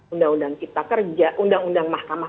undang undang cipta kerja undang undang mahkamah